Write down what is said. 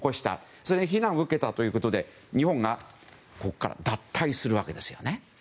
それで非難を受けたということで日本はここから脱退しますね。